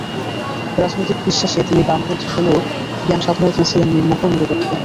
রাজনৈতিক বিশ্বাসে তিনি বামপন্থী হলেও জ্ঞান সাধনায় তিনি ছিলেন নির্মোহ, নিরপেক্ষ।